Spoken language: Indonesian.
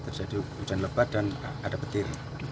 terjadi hujan lebat dan ada petir